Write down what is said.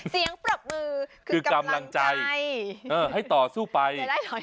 เสียงเปรียบเมืองคือกำลังใจให้ตอสู้ไป